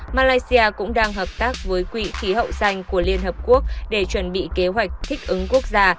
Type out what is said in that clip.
malaysia cũng đang hợp tác với quỹ khí hậu xanh của liên hợp quốc để chuẩn bị kế hoạch thích ứng quốc gia